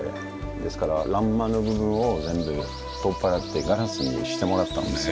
ですから欄間の部分を全部取っ払ってガラスにしてもらったんですよ。